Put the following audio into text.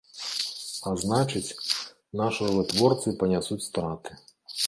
А значыць, нашы вытворцы панясуць страты.